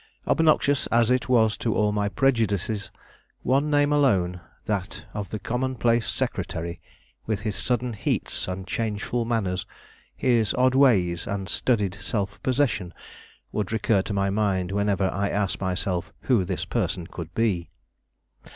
Obnoxious as it was to all my prejudices, one name alone, that of the commonplace secretary, with his sudden heats and changeful manners, his odd ways and studied self possession, would recur to my mind whenever I asked myself who this person could be.